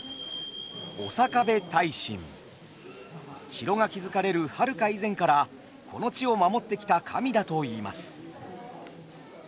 城が築かれるはるか以前からこの地を守ってきた神だといいます。